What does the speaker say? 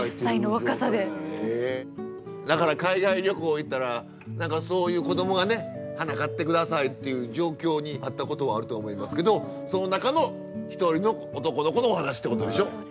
だから海外旅行行ったら何かそういう子供がね「花買って下さい」っていう状況にあったことはあると思いますけどその中の一人の男の子のお話ってことでしょ。